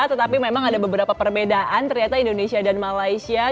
tetapi memang ada beberapa perbedaan ternyata indonesia dan malaysia